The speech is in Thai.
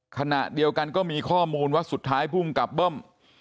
ขณะเดียวกันก็มีข้อมูลว่าสุดท้ายภูมิกับเบิ้ม